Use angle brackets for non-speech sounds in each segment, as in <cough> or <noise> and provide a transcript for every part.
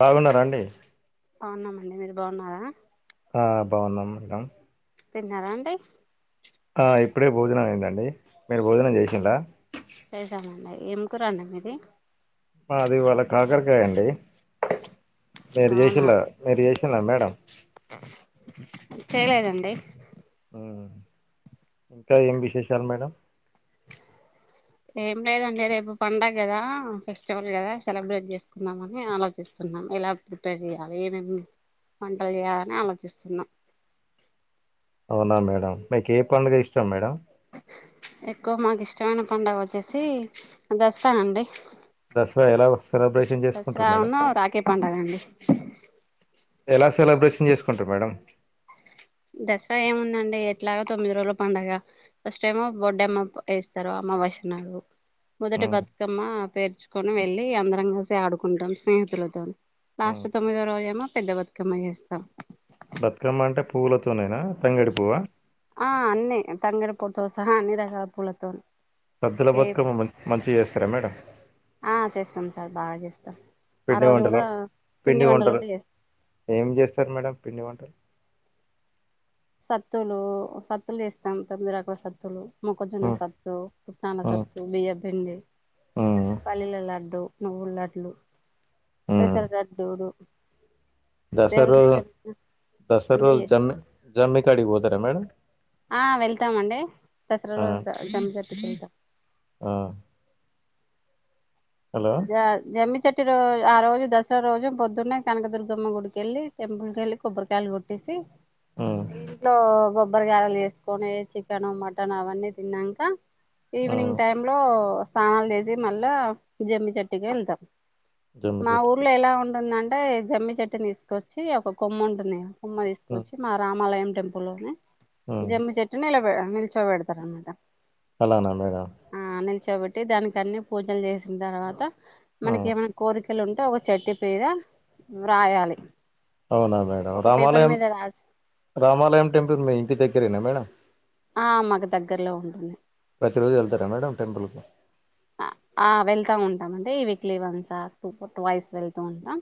బాగున్నారాండి బాగున్నామండీ మీరు బాగున్నారా బాగున్నాం మేడంమ్ తిన్నారండీ ఆ ఇప్పుడే భోజనం అయిందండీ మీరు భోజనం జేసిల్లా అ ఏం కూరండి మీదీ మాది ఇవాళ కాకరకాయ అండీ మీరు జేసిల్లా మీరు జెసిల్ల జెసిల్ల మేడంమ్ చేయలేదండీ ఇంకా ఏం విశేషాలు మేడమ్ ఏం లేదండి రేపు పండగ కదా ఫెస్టివల్ కదా సెలబ్రేట్ చేసుకుందామని ఆలోచిస్తున్నాను ఎలా ప్రిపేర్ చేయ్యాలి ఏమేమ్ వంటలు చేయాలని ఆలోచిస్తున్నాం అవునా మేడమ్ మీకు ఏ పండుగ ఇష్టం మేడమ్ ఎక్కువ మాకు ఇష్టమైన పడుగ వచ్చేసి దసరా అండీ దసరా ఎలా సెలబ్రేషన్ చేసుకుంటారు మేడమ్ దసరాను రాఖీ పండుగ అండి ఎలా సెలబ్రేషన్ చేసుకుంటరు మేడమ్ దసరా ఏముందండీ ఎట్లాగ తొమ్మిది రోజులు పండగ ఫస్ట్ ఏమో బొడ్డమ్మ ఎస్తరు అమ్ మా వషణాలు మొదటి ఉమ్, బతుకమ్మా పేర్చుకొని వెళ్ళీ అందరం కలిసి ఆడుకుంటం స్నేహితులతోని ఉమ్. లాస్ట్ తొమ్మిదో రోజేమో పెద్ద బతుకమ్మ చేస్తాం బతుకమ్మ అంటే పువ్వులతోనేనా తంగేడు పువ్వా ఆ అన్నీ తంగెడు పూతో సహా అన్ని రకాల పూలతో సద్దుల ఏ బతుకమ్మ మన్ మంచిగా చేస్తారా మేడమ్ ఆ చేస్తాం సార్ బాగా చేస్తాం ఆ పిండి రోజు వంటలు గూడా పిండి వంటలు గూడా చేస్తాం ఏం చేస్తారు మేడమ్ పిండి వంటలు సత్తులూ సత్తులు చేస్తాం తొమ్మిది రకాల సత్తులు మొక్కజొన్న ఉమ్, సత్తు పుట్నాల ఉమ్, సత్తు బియ్య పిండి ఉమ్, పల్లీల లడ్డు నువ్వులడ్లు పెసర లడ్డులు దసర్ రోజు దసర్ అన్నీ రోజు చేస్తాం జమ్మి జమ్మి కాడికి పోతరా మేడమ్ ఆ వెళ్తామండీ దసరా ఆ రోజు ద జమ్మి చెట్టు కింద ఆ హలో జ జమ్మి చెట్టు దసరా ఆ రోజు దసరా రోజు పొద్దున్నే కనకదుర్గమ్మ గుడికి వెళ్లి టెంపుల్ కి వెళ్లి కొబరి కాయలు కొట్టేసి ఉమ్ ఇంట్లో బబ్బ బరగాయలు వేసుకొని చికెన్ మటన్ అవన్నీ తిన్నాక ఈవినింగ్ ఉమ్ టైమ్ లో స్నానాలు తీసి మళ్ళా జమ్మి చెట్టుగా వెళ్తాం జమ్మి మా చెట్టు ఊర్లో ఎలా ఉంటుందంటే జమ్మి చెట్టు తీసుకొచ్చి ఒక కొమ్ము ఉంటుంది కుమ్మ ఉమ్ తీసుకొచ్చి మా రామాలయం టెంపుల్ని ఉమ్ జమ్మ చెట్టుని ఇలా పె నిల్చోవ పెడుతార మేట అలానా మేడం నీల్‌చోపెట్టి ధనికి అన్ని పూజలు చెసినా థర్వత ఆ మనకి ఎమ్మాన్నా కోరికలు ఉంటె ఉంటే ఒక చెట్టు పద వ్రాయాలి అవునా మేడం ఒక పేపర్ రామాలయం మీద రాసి రామాలయం టెంపుల్ మీ ఇంటి దగ్గరేనా మేడం ఆ మాకు దగ్గర్లో ఉంటుంది ప్రతిరోజు వెళ్తారా మేడం టెంపుల్ కు ఆ వెళ్తా ఉంటాం అంటే ఈ వీక్లీ వన్ ట్వైస్ వెళ్తూ ఉంటాం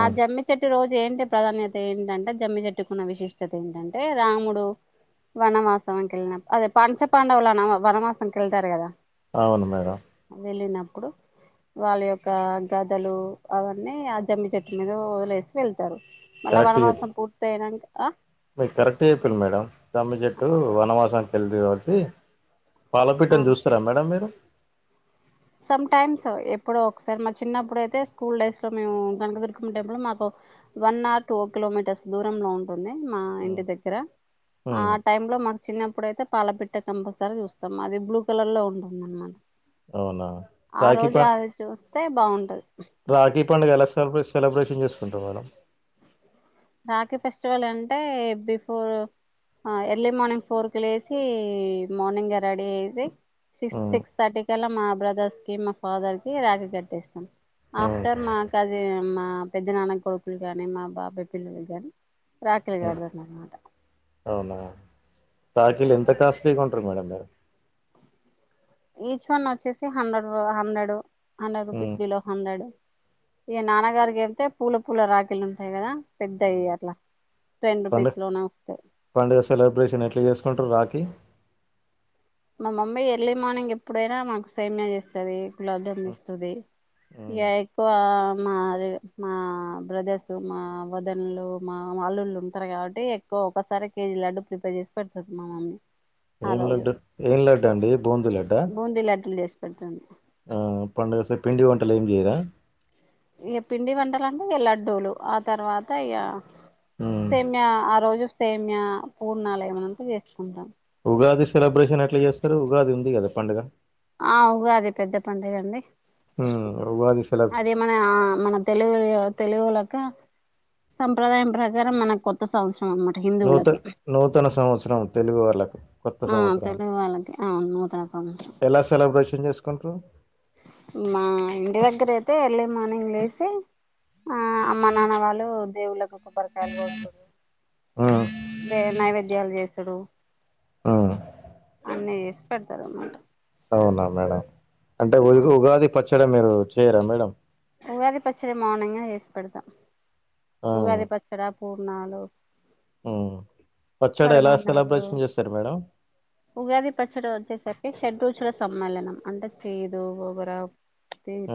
ఆ జమ్మి చెట్టు రోజు ఏంటి ప్రధాన్యత ఏంటంటే జమ్మి చెట్టుకున్న విశిష్టత ఏంటంటే రాముడు వనమాసమ కిళ్నా అదే పాంచ పాండవులనా వనమాసం కిళ్తారు కదా అవును మేడం వెళ్ళినప్పుడు వాళ్ళ యొక్క గదలు అవన్నీ ఆ జమ్మి చెట్టు మీద వదిలేసి వెళ్త మళ్ళ వనవాసం పూర్త అయినా మీకు కరెక్ట్ చెప్పను మేడం తమ్మి చెట్టు వనవాసాంనికి వెళ్దు కాబట్టి పాలపిట్టని ఆ చూస్తారా మేడం మీరు సమ్ టైమ్స్ ఎప్పుడో ఒకసారి మా చిన్నప్పుడు అయితే స్కూల్ డేస్ లో మేము కనకదుర్గ టెంపుల్ మాకు వన్ అవర్ టూ కిలోమీటర్స్ దూరం లో మా ఉమ్ ఇంటి దగ్గర ఉంటుంది ఉమ్ ఆ టైమ్ లో మా చిన్నప్పుడైతే పాలపిట్ట కంపల్సరీ చూస్తాము అది బ్లూ కలర్ లో ఉంటుంది అనమాట అవునా ఆ రాఖీ రోజు ప అది చూస్తే బాగుంటది రాఖీ పండుగ ఎలా సెల సెలబ్రేషన్ చేసుకుంటాం మనం రాకిీ ఫెస్టివల్ అంటే బిఫోర్ ఎర్లీ మార్నింగ్ ఫోర్ క లేసి మార్నింగ్ రెడీ వేసి సిక్స్ ఉమ్ సిక్స్ థర్టీ కలా మా బ్రదర్స్ కి మా ఫాదర్ కి రాఖ కట్టిస్తాం ఉమ్, ఆఫ్టర్ మా కాజీ మా పెద్ద నాన్న కొడుకులు కాగాని మా బాబా పిల్లలు కాగాని రాకలిగా ఉమ్, ఆడుతున్న అనమాట అవునా రాకిల్ ఎంత కాస్ట్లీగా ఉంట మేడం ఈచ్ వన్ వచ్చేసి hundred hundred hundred rupees um, below hundred ఈ నాన్నగారికి చెళ్తే పూల పూల రాఖీళ్లుంటాయి కదా పెద్దయ అట్లా టెన్ పడుగ రూపీస్ లోనే వస్తాయి పండుగ సెలబ్రేషన్ ఎట్లా చేసుకుంటారు రాకి మా అమ్మయి ఎర్లీ మార్నింగ్ ఎప్పుడైనా మాకు సైమ్య చేస్తుది ఉపలబ్ధం ఉమ్, ఇస్తుంది ఇక ఉమ్. ఎక్కువ మాదే మా బ్రదర్స్ మా వదనలు మా వాల్లుళ్ళు ఉంటారు కాబట్టి ఎక్కువ ఒకసారి కేజీ లడ్డు ప్రిపేర్ చేసి పెడుతుంది మా మమ్మీ ఆ ఏన్ రోజు లడ్డ ఏం లడ్డ అండి బూందు లడ్డ <unintelligible> పెడుతుంది ఆ పండడుగ సే పిండి వంటల చేయదా ఇ పిండి వంటాలంటడి లడ్డూలు ఆ తర్వాత ఇయ ఉమ్. సేమ్య ఆ రోజు సేమ్య పూర్ణాలయంమనంత చేసుకుంటాం ఉగాది సెలబ్రేషన్ ఎట్లా చేస్తారు ఉగాది ఉంది కదా పండుగ ఆ ఉగాది పెద్ద పడుగ అండి ఆ ఉగాది <unintelligible> అదే మన మన తెలుగు తెలుగు క సంప్రదాయం ప్రకారం మన కొత్త సంస్క నూత నూతన సంవత్సరం తెలుగు వాళ్ళలకు కొత్త ఆ సంవత్సరం అంట తెలుగు వాళ్ళకి అవును నూతన సంవత్సరం ఎలా సెలబ్రేషన్ చేసుకుంటారు మా ఇంటి దగ్గర అయితే ఎర్లీ మార్నింగ్ లేసి ఆ అమ్మ నాన్న వాళ్ళు దేవుళ్ళకి కొబ్బరికాయలు కొడుతారు ఉమ్, దే నైవేద్యాలు చేసూడు ఉమ్. అన్నీ చేస్తార్ పెడతారు అన్నమాట అవునా మేడం అంటే మీరు ఉగాది పచ్చడి మీరు చేయరా మేడం ఉగాది పచ్చడి మార్నింగే చేసి పెడతా ఉగాది పచ్చడ పూర్ణాలు ఊ పరమన్నాలు మేడం ఉగాది పచ్చడి వచ్చేసరికి షడ్రుచులు రుచుల సమ్మేళనం అంటే చేదు ఒగర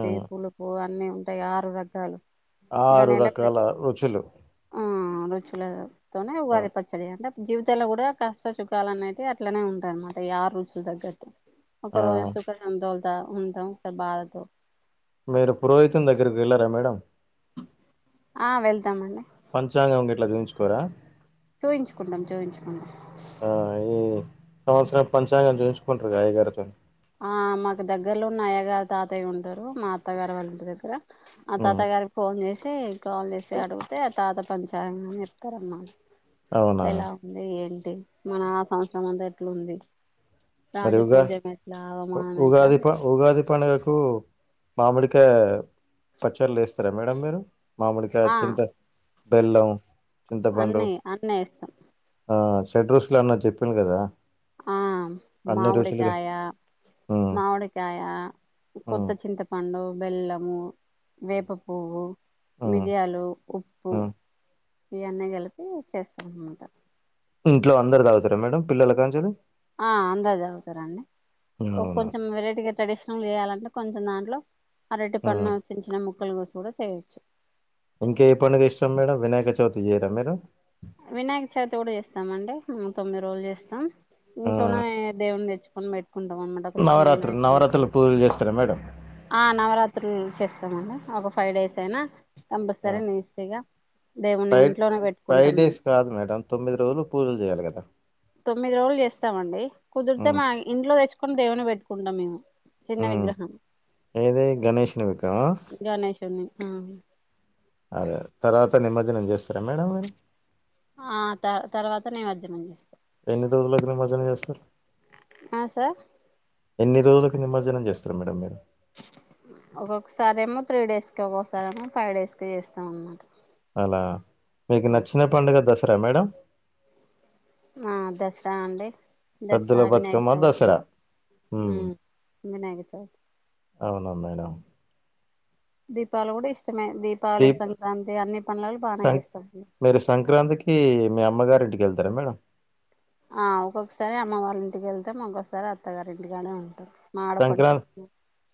ఆ పులుపు అన్నీ ఉంటై ఆరు రకాలు ఆరు దాని రకాల రుచులు ఆరుచులతోనే ఆ ఉగాది పచ్చడి అంటే జీవితంలో కూడా కష్ట చుఖాలు అనేది అట్లనే ఉంటాయిన్నమాట ఈ ఆరు రుచులకు తగ్గట్లు ఒక ఆ రోజు సుఖ సంతోలత ఉంటాం ఒక సారి బాధతో మీరు పురోహితుని దగ్గరకి వెళ్ళారా మేడం ఆ వెళ్తాంమండి పంచాంగం గిట్ల చూయించుకోరా చూయించుకుంటాం చూయించుకుంటాం ఆ ఈ సంవత్సరం పంచాంగం చూయించుకుంటరుగా అయ్యగారుతో ఆ మాకు దగ్గరలో ఉన్న అయ్యగారు తాతయ్య ఉంటారు మా అత్తగారు వాళ్ళ ఇంటి దగ్గర ఆ తాత మ్ గారికి ఫోన్ చేసి కాల్ చేసి అడిగితే ఆ తాత పంచాంగం చెప్తారానమాట అవునా ఎలా ఉంది ఏం మన ఆ సంవత్సరం అంతా ఎట్లా ఉంది రాజ మరి ఉగా పూజ ఏట్ ఉ ఉగాది ప ఉగాది పండుగకు మామిడికాయ పచ్చర్ల వేస్తారా మేడం మీరు మామిడికాయ ఆ చింత బెల్లం చింతపండు అన్నీ అన్నీ ఏస్తాం ఆ షర్ట్ రుచులు అన్న చెప్పిడ్రు కదా ఆ అన్ని రుచులుగా మామిడికాయ మ్ మామిడికాయ కొత్త మ్ చింతపండు బెల్లము వేప పువ్వు ఉమ్ మీరియాలు ఉప్పు ఉమ్ ఇవన్నీ కలిపి చేస్తారన్నమాట ఇంట్లో అందరు తాగుతారా మేడమ్ పిల్లల కాంచేలి ఆ అందరు తాగుతారండీ ఒక అవునా కొంచెం వెరైటీగా ట్రేడిష్ నల్ గా చేయాలంటే కొంచెం దాంట్లో అరటి ఆ పన్ను చిన్న చిన్న ముక్కలు కోసి కూడా చేయొచ్చు ఇంకా ఏ పండుగ ఇష్టం మేడం వినాయక చవితి చేయరా మీరు వినాయక చవితి కూడా చేస్తాం అండి తొమ్మిది రోజులు చేస్తాం ఆ ఇంట్లోనే దేవుని తెచ్చుకొని పెట్ కుంటాం అన్నమాట ఒక చిన్న నవరాత్రులు వినాయకుని తెచ్చి నవరాత్రులు పూజలు చేస్తారా మేడం ఆ నవరాత్రులు చేస్త మ్ అండి ఒక ఫైవ్ డేస్ అయినా ఆ కంపల్సరీ నీస్ట్గా దేవుని ఫైవ్ ఇంట్లోనే పెట్ ఫైవ్ డేస్ కాదు మేడం తొమ్మిది రోజులు పూజలు చేయాలి కదా తొమ్మిది రోజులు చేస్తామండి కుదిరితే ఉమ్ మా ఇంట్లో తెచ్చుకొని దేవుని పెట్టుకుంటాం మేము చిన్న ఉమ్ విగ్రహం ఏది గణేష్నిక గణేశుని అదే తర్వాత నిమర్జనం చేస్ స్తారా మేడమ్ మీరు ఆ త తర్వాత నిమజ్జనం చేస్తాం ఎన్ని రోజులకి నిమర్జనం <unintelligible> చేస్తారు ఆ సార్ ఎన్ని రోజులకు నిమజ్జనం చేస్తారు మేడం మీరు ఒక్కొక్కసారి ఏమో త్రీ డేస్ కి ఒక్కొక్కసారేమో ఫైవ్ డేస్ కి చేస్తాం అన్నమాట అలా మీకు నచ్చిన పడుగ దసరా మేడం ఆ దసరా అండి దశరా సద్దుల వినాయక బతుకమ్మ చౌ దసరా ఉమ్ వినాయక చౌ అవునును మేడం దీపాలు కూడా ఇష్ట ఇష్టమే దీపావళి దీప్ సంక్రాంతి అన్ని పనులలు బాగా సం చేస్తా ట్కిళ్తార మేడంమ్ ఆ ఒక్కొక్కసారి అమ్మవారి ఇంటికి వెళ్తాం ఒక్కొక్కసారి అత్తగారింటికానే ఉంటాం మా ఆడపడుచు సంక్రాంత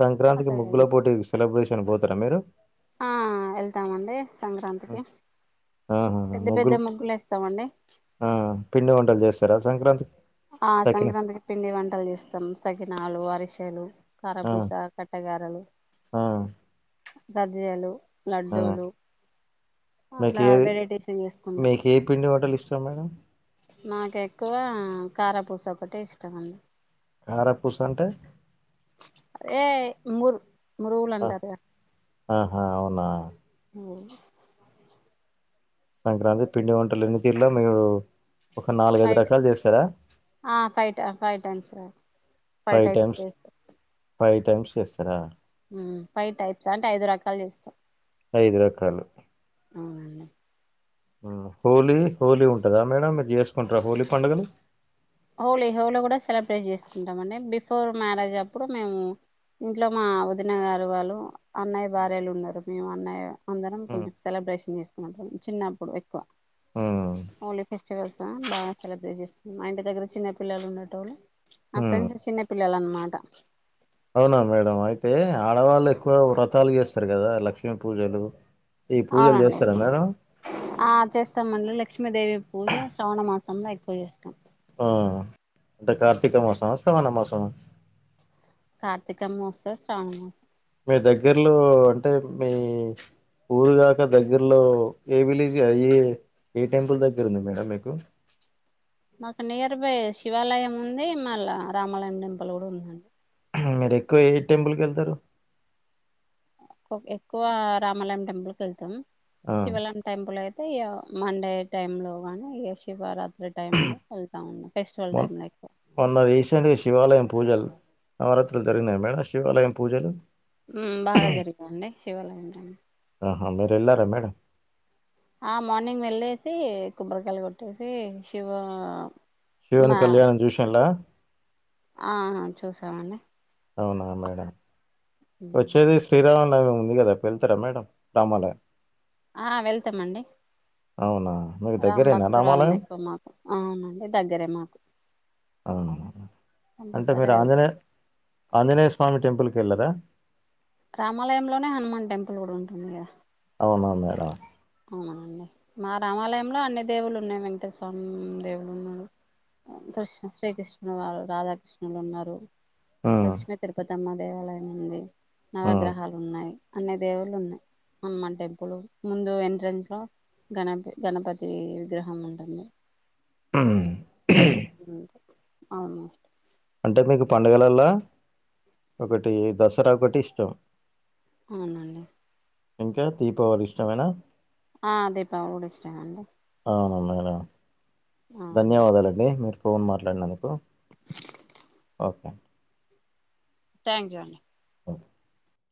సంక్రాంతికి ముగ్గుల అత్తగారి పోటీ సెలబ్రేషన్ పోతారా మీరు ఆ వెళ్తామండి సంక్రాంతికి ఆహా పెద్ద పెద్ద ముగ్గులు వేస్తామండి ఆ పిండి వంటలు చేస్తారా సంక్రాంతి ఆ సకిన సంక్రాంతికి పిండి వంటలు చేస్తాం సకినాలు అరిసలు ఆ కారపూస కట్టగారలు ఆ గ్జలు ఆ లడ్డూలు మీకు అట్లా ఏది వెరైటీషన్ చేసుకుంటాం మీకు ఏ పిండి వంటలు మేడం నాకు ఎక్కువ కారపూస ఒకటే ఇష్టం అంది కారపూస అంటే అదే ఇఊరు మరుూలు ఆ! అడా త ఆహా అవునా అఓ సంక్రాంతి పిండి వంటలు ఎన్ని తీరులో మీరు ఒక నాలుగైదు ఫైట్ రకాలు చేస్తారా ఆ fight fight five types five times చేస్తారా ఫైవ్ టైప్స్ అంటే ఐదు రకాలు చేస్తాం ఐదు రకాలు హోలీ హోలీ ఉంటందా మేడం మీరు చేసుకుంటార హోలీ పండుగలు హోలీ హోలీ కూడా సెలబ్రేట్ చేసుకుంటాం అండి బిఫోర్ మ్యారేజ్ అప్పుడు మేము ఇంట్లో మా వదిన గారు వాళ్ళు అన్నయ్య ఉమ్, భార్యలు ఉన్నారు మేము అన్నయ్య అందరం ఉమ్, కొంచెం సెలబ్రేషన్ చేసుకుంటం చిన్నప్పుడు ఎక్కువ హఓలీ ఫెస్టివల్స్ బాగా సెలబ్రేట్ చేస్తుంది మా ఇంటి దగ్గర చిన్న పిల్లలు ఉండట వాళ్ల మా ఉమ్. ఫ్రెండ్స్ చిన్న పిల్లలు అన్నమాట అదా అవునా మేడం అయితే ఆడవాళ్ళు ఎక్కువ వ్రతాలు చేస్తారు కదా లక్ష్మీ పూజలు ఈ పూజలు అవునండి చేస్తారా మేడం ఆ చేస్తామండి లక్ష్మీదేవి పూజ శ్రవణమాసం సన్నాయిపోయి ఇష్టం ఆ అంటే కార్తీక మాసమా సవణ మాసమా కార్తీక మాసం శ్రావణ మాసం మీ దగ్గర్లో అంటే మీ ఊరుగాక దగ్గరలో ఏమిలి అయ ఏ టెంపుల్ దగ్గర ఉంది మేడం మీకు మాకు నియర్ బై శివాలయం ఉంది మళ్ళ రామాలయం టెంపుల్ కూడా ఉందండి మీర ఎక్కువ ఏ టెంపుల్కి వెళ్తారు ఎక్కువ రామాలయం టెంపుల్ క వెళ్తాం శివాలయం టెంపుల్ అయి అయితే ఇక మండే టైంలో కానీ ఇక శివరాత్రి టైంలో వెళ్తూ ఉన్నాం ఫెస్టివల్ మొ టైమ్ లో ఎక్కువ మొన్న రీసెంట్గా శివాలయం పూజలు నవరాత్రులు జరిగినాయి మేడం శివాలయం పూజలు బాగా జరిగాండి శివాలంటడి ఆహ మేర ఎల్రా మేడం ఆ మార్నింగ్ వెళ్లేేసి కొబ్బరికాయలు కొట్టేసి శివ శివని కళ్యాణం చూసంలా ఆహ చూసామండి. అవునా మేడం వచ్చేది శ్రీరామ. నవమి ఉంది కదా వెళ్తారా మేడం రామాలయం‌. ఆ వెళ్తామండి. అవునా మీకు రామ్ దగ్గరేనా భక్తురాలని రామాలయం ఎక్కువ మాకు అవునండి దగ్గరే మాకు. అవు అంటే కంపల్సరీ మీరు వెళ్తాం ఆంజనేయ ఆంజనేయ స్వామి టెంపుల్కి వెళ్ళరా. రామాలయంలోనే హనుమాన్ టెంపుల్ కూడా ఉంటుంది కదా. అవునా మేడం. అవునండి మా రామాలయంలో అన్ని దేవులు ఉన్నాయి వెంకటేశ స్వామి దేవులు ఉన్నా. కృష్ణ శ్రీకృష్ణు వారు రాధాకృష్ణులు ఉన్నారు‌. ఉమ్ లక్ష్మీ తిరుపతిమ్మ దేవాలయం ఉంది ఉమ్ నవగ్రహాలు ఉన్నాయి. అన్ని దేవుళ్ళు ఉన్నాయి హనుమాన్ టెంపుల్ ముందు వె. రెంజ్ లో గణప గణపతి విగ్రహం ఉంటుంది‌. ఉమ్. ఉమ్ అవును. అంటే మీకు పండగలలో ఒకటి దసరా ఒకటి ఇష్టం. అవునండి. ఇంకా దీపావళు ఇష్టమేనా. ఆ దీపాలి కూడా ఇష్టమేనండి. అవునా మేడం ధన్యవాదాలండి మీరు ఫోన్ మాట్లాడినందుకు. ప్ప థ్యాంక్ యూ అండి. ఓ